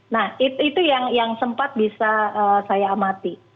nah itu yang sempat bisa saya amati